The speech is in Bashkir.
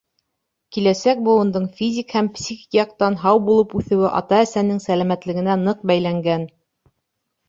Киләсәк быуындың физик һәм психик яҡтан һау булып үҫеүе ата-әсәнең сәләмәтлегенә ныҡ бәйләнгән.